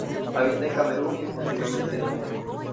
Habita en Camerún y posiblemente Nigeria.